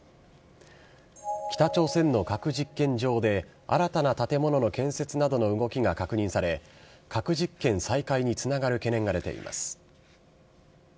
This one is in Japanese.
北朝鮮の核実験場で、新たな建物の建設などの動きが確認され、核実験再開につながる懸念が出ています。